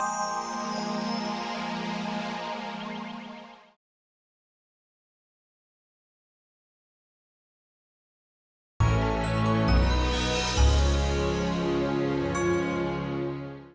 terima kasih banyak